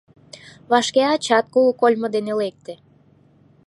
Вашке ачат кугу кольмо дене лекте.